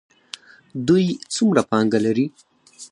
دوی څومره پانګه لري؟